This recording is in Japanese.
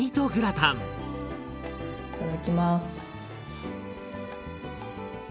いただきます。